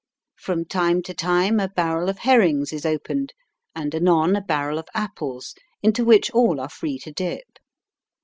From time to time a barrel of herrings is opened, and anon a barrel of apples, into which all are free to dip.